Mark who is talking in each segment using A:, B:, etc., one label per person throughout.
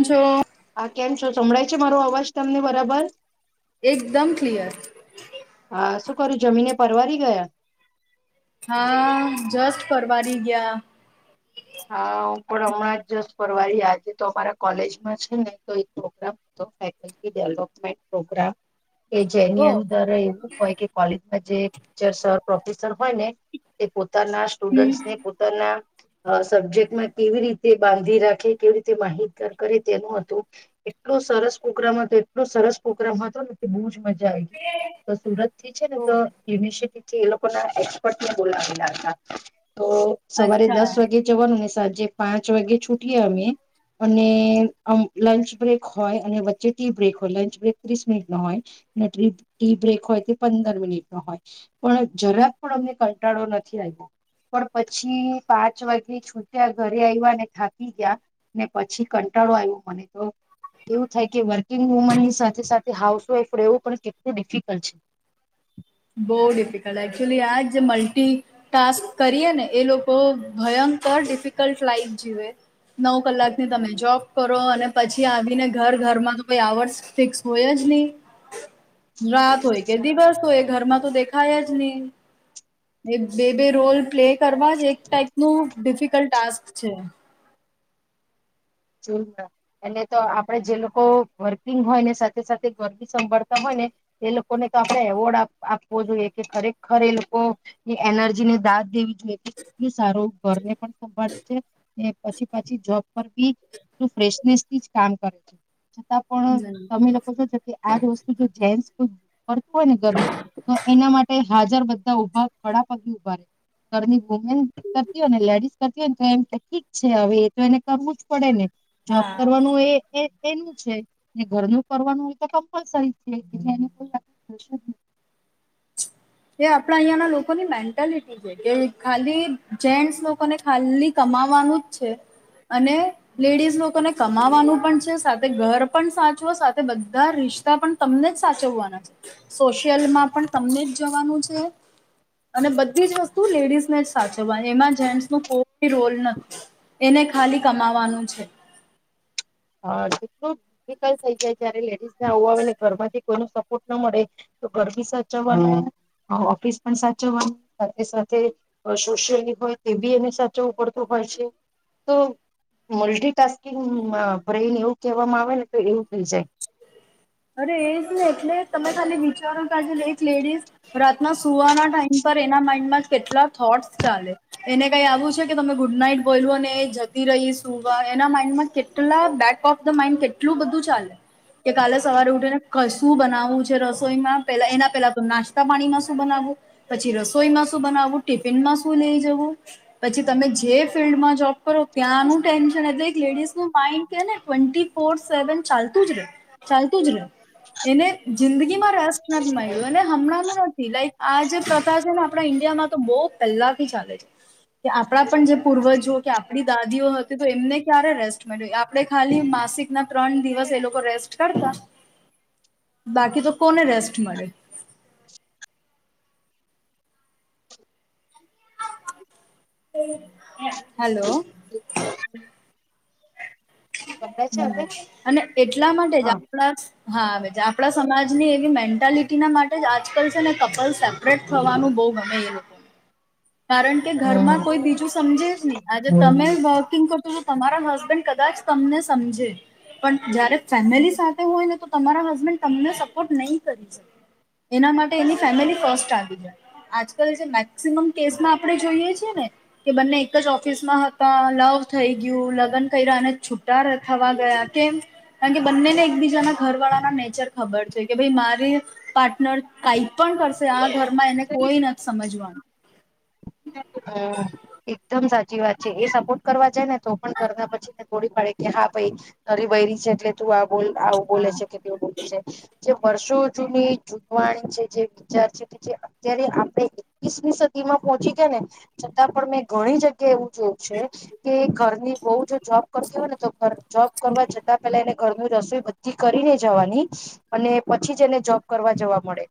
A: હછો
B: હા કેમ છો સંભળાય છે મારો અવાજ તમને બરાબર
A: એકદમ ક્લિયર
B: હા શું કરું જમીને પરવારી ગયા
A: હા જસ્ટ ફરવાની ગયા
B: હા પણ હમણાં જ જસ ફરવાળ આજે તો અમારા કોલેજમાં છે ને તો પ્રોગ્રામ ફેકલ્ટી ડેવલોપમેન્ટ પ્રોગ્રામ કે
A: ઓ
B: જેની અંદર એવું હોય કે કોલેજમાં જે ટીચરસ પ્રોફેસર હોય ને તે પોતાના સ્ટુડન્ટ ને પોતાના સબ્જેક્ટમાં કેવી રીતે બાંધી રાખે કેવી રીતે માહિતગાર કરે તેનું હતું એટલું સરસ કોકરામાં હતો એટલોું સરસ કોકરામાં હતો ને બુજ મજા તો સુરત થી છે ને તો યુનિવર્સિટી એ લોકો ના એક્સપર્ટને બોલાવેલા હતા તો સવારે
A: અચ્છા
B: દસ વાગે જવાનું ને સાંજે પાંચ વાગે છૂટીએ અમે અને આમ લંચ બ્રેક હોય અને વચ્ચે ટી બ્રેક હોય લંચ બ્રેક ત્રીસ મિનિટ ન હોય ટ ટ્રી બ્રેક હોય તે પંદર મિનિટ નો હોય પણ જરાક પણ અમને કંટાળો નથી પણ પછી પાચ પાંચ વાગ્યે છૂટ્યા ઘરે આવ્યા ને થાકી ગયા ને પછી કંટાળો આવ્યો મને તો એવું થાય કે વર્કિંગ વુમનની સાથે સાથે હાઉસવાઈફ રહેવું પણ કેટલું ડિફિકલ્ટ છે
A: બહુ ડિફિકલ્ટ એકચુલી આ જે મલ્ટી ટાસ્ક કરીએ ને એ લોકો ભયં બ ડીફિકલ્ટ લાઈફ જીવે નવ કલાક ની તમે જોબ કરો અને પછી આવીને ઘર ઘરમાં તો કોઈ આવર્સ ફિક્સ હોય જ અને રાત હોય કે દિવસ હોય ઘરમાં તો દેખાય જ નહી એ બે બે રોલ પ્લે કરવા જ એક ટાઈપ ન ડિફિકલ્ટ ટાસ્ક છે
B: જો એટલે તો આપડે જે લોકો વર્કિંગ હોય ને સાથે સાથે ગરબી સંભાળતા હોય એ લોકોને તો આપ એવોર્ડ આપવો જોઈએ કે ખરેખર એ લોકો એનર્જીને થ દેવી જોઈએ કે કેટલું સારું ઘરને પણ સંભાળે છે પછી પછી જોબ પર બી ફ્રેશનેસથી જ કામ કરે છે છતાં પણ
A: હમ
B: તમે લોકો છો કે આજ વસ્તુ જો જેસ ફતું હોય ને ઘરનું તો એના માટે હાજર બધા ઉભા ખડા પગી ઉભા રહેે ઘરની વુમેન કરતી હોય ને લેડીસ કરતી હોય ને તો એમ કે ઠીક છે હવે એ તો એને કરવું જ પડે ને જોબ
A: હા
B: કરવાનું એ એનું છે ઘરનું કરવાનું હોય તો કમ્પલસરી છે એટલે [unintelligible]
A: એ આપણા અહિયાં ના લોકોની મેન્ટલિટી છે કે ખાલી જેન્ટસ લોકોને ખાલી કમા વાવાનું જ છે. અને લેડીઝ લોકોને કમાવાનું પણ છે સાથે ઘર પણ સાચવ સાથે બધા રિ શ્તા પણ તમને જ સાચવવાના છે સોશિયલમાં પણ તમને જ જવાનું છે અને બધી જ વસ્તુ લેડીઝ ને જ સાચવવા એમાં જેન્ટ્સ નો કોઈ રોલ નથી એને ખાલી કમાવાનું છે.
B: હા કેટલું [unintelligible] થઈ જાય જારે લેડીઝ ના આવું આવે ને ઘર માંથી કોઈ ન સપોર્ટ ના મળે તો ઘર બી સાચવાનું ઓફિસ પણ સાચવવાનું સાથે સાથે સોશિયલી હોય તે બી એને સાચવવું પડતું હોય છે. તો મલ્ટિટાસ્કિંગ બ્રેઈન એવું કહેવામાં આવે ને તો એવું થઈ જાય
A: અરે એજ ને એટલે તમે ખાલી વિચારો કે આજે એક લેડીઝ રાતના સુવાના ટાઈમ પર એના માઇન્ડ માં કેટલા થોટ સ ચાલે એને કઈ આવું છે કે તમે ગુડ નાઈટ બોલો ને જતી રહી શું એના માઇન્ડમાં કેટલા બેક ઓફ ધ માઇન્ડ કેટલું બધું ચાલે કે કાલે સવારે ઉઠીને કશું બનાવવું છે રસોઈમાં પલા એના પેલા તો નાસ્તા પાણીમાં શું બના વુ પછી રસોઈ માં શું બનાવવું ટિફિનમાં શું લઈ જવું પછી તમે જે ફિલ્ડમાં જોબ કરો ત્યાંનું ટેન્શન એટલે લેડીસ નું માઈન્ડ છે ને ટ્વેન્ટી ફોર સેવન ચાલ ચાલતું જ રે એને જિંદગી માં રસ નથી મળ્યો અને હમણાં તો લાઈક આ જે પ્રથા છે ને આપણા ઈન્ડિયામાં તો બહ પહેલાથી ચાલે છે. કે આપણા પણ જે પૂર્વજો કે આપણી દાદીઓ હતી તો એમને ક્યારે રેસ્ટ મળ્યું આપણે ખાલી માસિક ના ત્રણ દિવસ એ લોકો રેસ્ટ કરતા બાકી તો કોને રેસ્ટ મળે. હાલો.
B: સંભળાય છે હવે
A: અને એટલા માટે જ
B: હા
A: આપણા હા આપડા સમાજની એવી મેન્ટાલિટી ના માટે જ આજકાલ છે ને કપલ સેપરેટ થવાનું બો ગમે એ લોકો
B: [inaudible]
A: કારણ કે ઘરમાં કોઈ બીજું સમજે જ નહી આજે
B: હમ
A: તમે વોકિંગ ક તો તમારા હસબન્ડ કદાચ તમને સમજે. પણ જયારે ફેમિલી સાથે હોય ને તો તમારા હસબન્ડ તમને સપોર્ટ નહી કરી શકે. એના માટે એની ફેમિલી ફસ્ટ આવી જાય. આજકાલ જે મેક્સિમમ કેસમાં આપણે જોઈએ છી ને કે બંને એક જ ઓફિસમાં હતા. લવ થઈ ગયું. લગ્ન કર્યા અને છૂટા થવા ગયા કેમ કારણ કે બંનેને એકબીજાના ઘરવાળાના નેચર ખબર છે કે ભાઈ મારે પાર્ટનર કાઈ પણ કરશે આ ઘરમાં એને કોઈ નથી સમજવાનું.
B: હમ્મ એકદમ સા ચી વાત છે. એ સપોર્ટ કરવા જાય ને તો પણ કરના પછીને તોડી પાડે કે હા ભાઈ તરી બૈરી છે એટલે તું બોલ આવું બોલે
A: હા
B: છે કેવુ બોલે છે. જે વર્ષો જૂની જૂથવાણી છે જે વિચાર છે કે જે અત્યારે આપણે એકવીસમી સદી માં પહોચી ગયાને છતાં પણ મેં ઘણી જગ્યા એવું જોયું છે કે ઘરની વહુ જો જોબ કરતી હોય ને તો જોબ કરવા જતા પેલા એને ઘર ની રસોઈ બધી કરીને જવાની અને પછી જ એને જોબ કરવા જવા મળે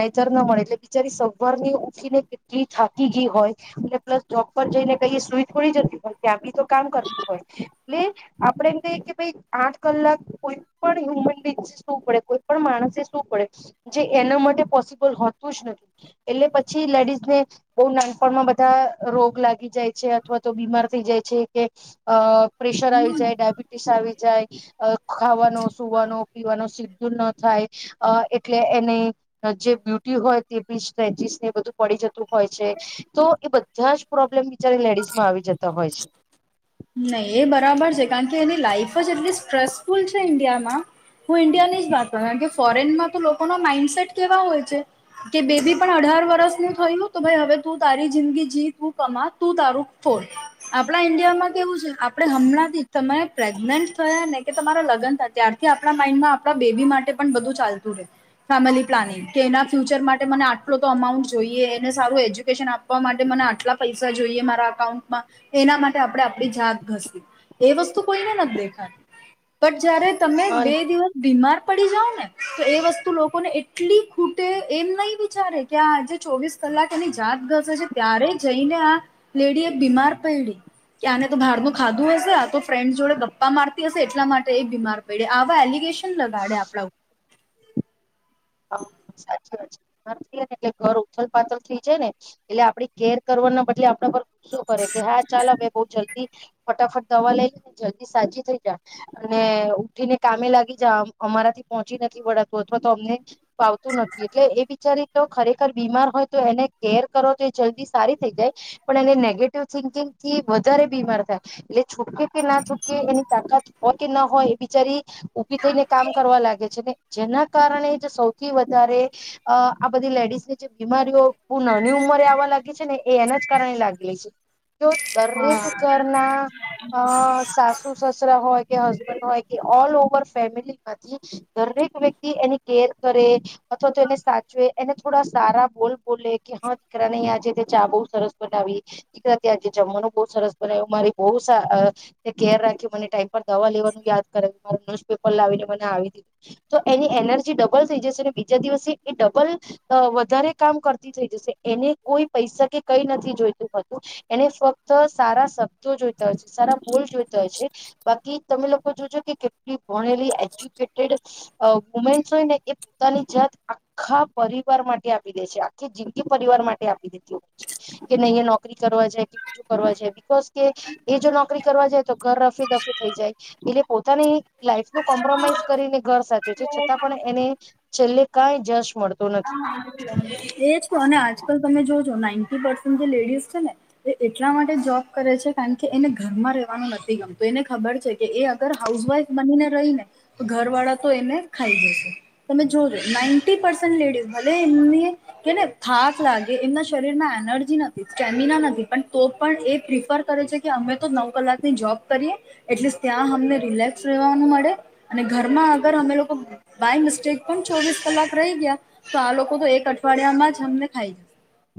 B: નૈતર ન મળે એટલે બિચારી સવાર ની ઉઠી ને કેટલી થાકી ગઈ હોય. એટલે પ્લસ જોબ પર જઈને કહી સુઈ થોડી જતી હોય ત્યાં બી તો કામ કરતી હોય એટલે આપડે એમ કહીએ કે ભાઈ આઠ કલાક કોઈ પણ હ્યુમન બીચ શું પડે કોઈ પણ માણસે શું પડે જે એના માટે પોસિબલ હોતું જ નથી એટલે પછી લેડીઝ ને બો નાન પણમાં બધા રોગ લાગી જાય છે અથવા તો બીમાર થઈ જાય છે કે અ પ્રેશર આવી જાય ડાયાબિટીસ આવી જાય જાય ખાવાનો સુવાનો પીવાનો સીધું ન થાય એટલે એને જે બ્યુટી હોય તે બીચચીસ ને બધું પડી જતું હોય છે તો એ બધા જ પ્રોબ્લેમ બિચારે લેડીઝ માં આવી જતા હોય છે.
A: નહી એ બરાબર છે કારણ કે એની લાઈફ જ એટલી સ્ટ્રેસ સુલ છેઇન્િયામાં હું ઈન્ડિયાની જ વાત કરું કારણ કે ફોરેનમાં તો લોકોના માઈન્ડસેટ કેવા હોય છે કે બેબી પણ અઢાર વરસ ન થયલું તો ભાઈ હવે તું તારી જિંદગી જી તું કમા તું તારું ફોડ આપણા ઈન્ડિયામાં કેવું છે આપડણે હમણાંથી તમારે પ્રેગ્નેન્ટ થયા ને કે તમારા લગ્ન થ ત્યારથી થી આપણા માઈન્ડમાં આપણા બેબી માટે પણ બધું ચાલતું રહે ફેમિલી પ્લાનિંગ કે એના ફ્યુચર માટે મને આટલો તો અમાઉન્ટ જોઈએ, એને સારું એજ્યુકેશન આપવા માટે ને આટલા પૈસા જોઈએ મારા અકાઉન્ટમાં એના માટે આપણે આપણી જાત ઘસી એ વસ્તુ કોઈને નથી, દેખા પણ જારે તમે બે દિવસ બીમાર પને તો એ વસ્તુ લોકોને એટલી ખૂટે એમ નહી વિચ કે આજે ચોવીસ કલાક એની જાત ઘસે છે ત્યારે જઈને આ લેડી એ બીમાર પયળી કે આને તો બહારનું ખાધું હશે આ તો ફ્રેન્ડ જોડે ગપ્પા મારતી હશે, એટલા માટે એ બીમાર પડે આવા એલિગેશન ને ગાડે આપડા ઉપર
B: સાચી વાત ને એટલે ઘર ઉથલ પાથલ થઈ જાય ને એટલે આપડી કેર કરવાનું બદલે આપણા પર ગુસ્સો કરે કે હા ચાલ અ બહ જલ્દી ફટાફટ દવા લઈને જલ્દી સાજી થઈ અને ઉઠીને કામે લાગી જા અમારાથી પહોંચી નથી વળતું અથવા તો અમને પતું નથી એટલે એ બિચારી તો ખરેખર બીમાર હોય તો એને કેર કરો તો એ જલ્દી સારી થઈ જાય. એનેગંગથી વધારે બીમાર થાય એટલે છૂટકે કે ના છૂકે એની આઘાત પ કે ના હોય એ બચારી ઉભી થઈને કામ કરવા લાગે છે, ને જેના કારણે જ સૌથી વધારે અ આ બધી લેડીઝ ની જે બીમારીઓ પૂર્ણ ની ઉંમરે આવવા લાગી છે, ને એ એના જ કારણે લાગી લે છે જો
A: હા
B: દરેક ઘરના અ સાસુ સસરા હોય કે હસબન્ડ હોય કે ઓલ ઓવ મ માંથી દરેક વ્યક્તિ એ કરે અથવા તો એને સાચવે એને થોડા સારા બોલ બોલે કે હા, દીકરા ન આજે ચાો બ સરસ બનાવી દીક ત્યાં જમવાનું બ સરસ બના મારી બ કેર રાખ દવા લેવાનું યા કરે મા ન્યુપેપર લાવીને મને તો એ એન લ થઈ જશે બીજા દિવસે એ ડબલ વધારે કામ કરતી થઈ જશે એને કોઈ પૈસા કે કઈ નથી જોઈતુંતું એને ફક્ત સારા શબ્દો જોઈતા હોય છે સારા બોલ જોઈતા હોય છે. બાકી તમે લોકો જોજો કે કેટલી ભણેલી એજ્યુકેટેડ વુમેન્સ હોય ને એ પોતાની જાત આખા પરિવાર માટે આપી દે છે, આખી જિંદગી પરિવાર માટે આપી દેતી હોય છે કે નહી નોકરી કરવા જાય કે બીજું કરવા જાય બિકઝ કે એ જો નોકરી કરવા જાય તો ઘર રફી દફી થઈ જાય એટલે પોતાની લાઈફ નું કોમ્પ્રોમાઈઝ કરીને, ઘર સાચવે છે, છતાં પણ એને ચલ્લે કાય જસ્ટ
A: એજ અને આજકાલ તમે જો ના જે લેડીસ છે, ને એટલા માટે જોબ કરે છે, કારણ કે એને ઘરમાં રવાનું નથી ગમ તો એને ખબર છે, કે એ અગર હાઉસવાઈફ બનીને રહી ને તો ઘર વાળા તો એને ખાઈ જશે. તમે જોજો નઈન્ટી પર્સને લેડીસ ભલે એમને કેને થાક લાગે એમના શરીર માં એનર્જી નથી સ્ટેમિના નથી, એ પ્રિફર કરે છે કે અમે તો નવ કલાકની જોબ કરીએ એટ ત્યાં અમને ર રવાનું મળે અને ઘરમાં અગર અમે લોકો બાય મિસ્ટેક પણ ચોવીસ કલાક રહી ગયા, તો આ લોકો તો એક અઠવાડિયામાં જ અમને ખાઈ જશે.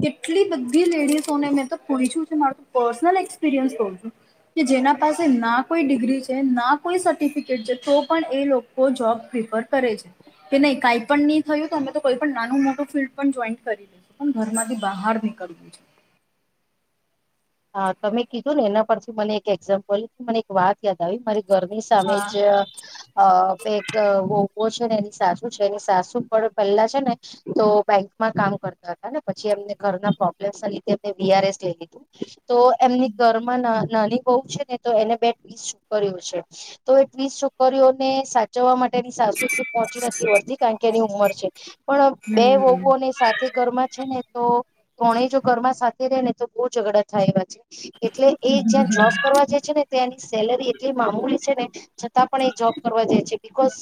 A: કેટલી બધી લેડીસોને મેં તો પૂછછું માર પર્સનલ એક્સપિરિયન્સ ક્વ છું કે જેના પાસે ના કોઈ ડિગ્રી છે ના કોઈ સર્ટિફિકેટ છે, તો પણ એ લોકો જોબ કે નહી ક પણ નહી થયું ત કોઈ પણ નાનું મોટું ફિલ્ડ પણ જોઈન કરી લેશું પણ ઘર થી બહાર નીકળવું છે.
B: [inaudible] હા, તમે કીધું ને એના પરથી મને એક એક્ઝામ્પલ મને એક વાત યાદ આવી મારી ગરમી સામે
A: હા
B: જ બેક છે ને એની સાસુ છે, એની સાસુ પણ પેલા છે ને તો બેંકમાં કામ કરતા હતા ને પછી ઘર પ્રોબ્લેમ ના લીધે એ વીઆરએસ લઈ લીધું તો એમની ઘરમાં નાની બુ છે, ને તો એને બે ટ્વીસ છોકરીઓ છે તો એ ટ્વીસ છોકરીઓને સાચવવા માટે તેની સાસુ એ પહોંચી નથી વળતી કારણ કે એની ઉંમર છે, પણ બે વોગુઓની સાથે ઘરમાં છે, ને તો ત્રણે જો ઘરમાં ર ને તો બહુ ઝઘડા થાય એવા છે. એટલે એ જ્યાં જોબ કરવા જે છે ને ત્યાંની સેલરી એટલી મામુલી છે ને છતાં પણ એ જોબ કરવા જાય બિકોઝ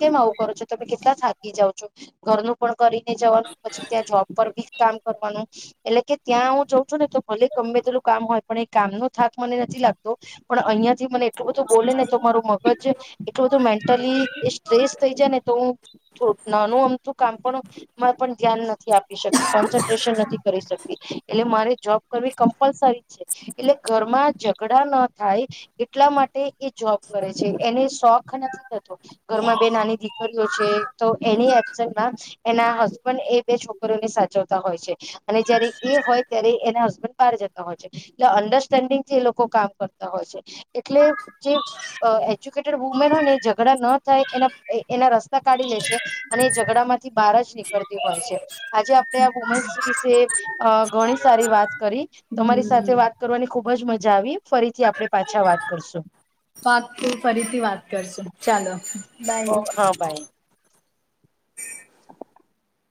B: કેમ આવું કરો છો તમે કેટલા થા જઉ છો ઘરનું પણ કરીને જવાનું પછી ત્યાં જોબ પર બી કામ કરવાનું એટલે કે ત્યાં હું જઉં છું ને તો ભલે ગમે તેેલું કામ હોય પણ એ કામ નો થાક મને નથી લાગતો પણ અહિયાં થી મને એટલું બધું બોલે ને તો મારું મગજ એટલું બધું મેન્ટલી એ સ્ટ્રેસ થઈ જાય ને તો હું નાનું અમતું કામ પણ પણ ધ્યાન નથી આપી શકતી કોન્સન્ટ્રેશન નથી કરી શકતી એટલે મારે વી કમપલસરી છે એટલે ઘરમાં ઝઘડા ન થાય એટલા માટે એ જોબ કરે છે એને શોખ નથી થતો ઘરમાં બે નાની દીકરીઓ છે તો એને એના હસબન્ડ એ બે છોકરીને સાચવતા હોય છે અને જયારે એ હોય ત્યારે એના પાર જતા હોય છે એટલે અંડરસ્ટેન્ડિંગ થી એ લોકો કામ કરતા હોય છે એટલે જે એજ્યુકેટેડ વુમેન હો ને ઝઘડા ન થાય એ એના રસ્ કાઢી લે છે અને એ ઝઘડા માંથી બહાર જ નીકળતી હોય છે. આજે આપડે આ વુમેન્સ વિશે અ ઘણી સારી વાત તમારી સાથે
A: હમ
B: વાત કરવાની ખુબ જ મજા આવી ફરીથી આપણે પાછા વાત કરશું.
A: વાતું ફરીથી વાત કરશો ચાલો
B: ઓ હા
A: બાય.
B: [inaudible]